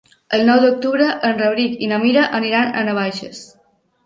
El nou d'octubre en Rauric i na Mira aniran a Navaixes.